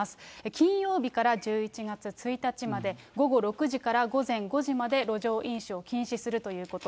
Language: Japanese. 金曜日から１１月１日まで、午後６時から午前５時まで、路上飲酒を禁止するということ。